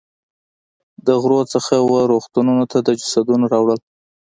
د غرو څخه وه رغتونونو ته د جسدونو راوړل.